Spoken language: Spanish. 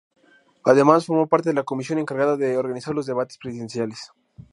Además, formó parte de la Comisión encargada de organizar los Debates Presidenciales.